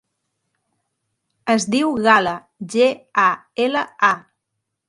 Es diu Gala: ge, a, ela, a.